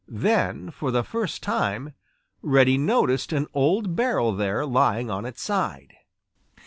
Then, for the first time, Reddy noticed an old barrel there lying on its side.